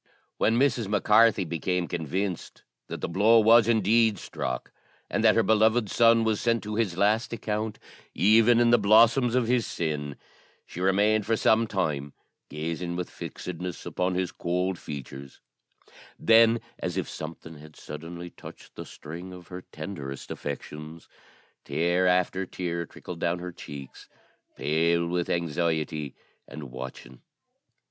When Mrs. Mac Carthy became convinced that the blow was indeed struck, and that her beloved son was sent to his last account, even in the blossoms of his sin, she remained for some time gazing with fixedness upon his cold features; then, as if something had suddenly touched the string of her tenderest affections, tear after tear trickled down her cheeks, pale with anxiety and watching.